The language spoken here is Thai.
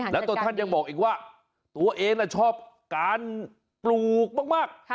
แล้วตัวท่านยังบอกอีกว่าตัวเองชอบการปลูกมาก